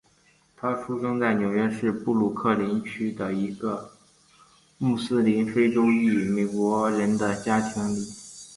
他出生在纽约市布鲁克林区的一个穆斯林非洲裔美国人的家庭里。